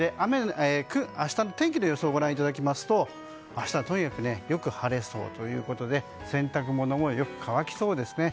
明日の天気の予想をご覧いただきますと明日は、とにかくよく晴れそうということで洗濯物もよく乾きそうですね。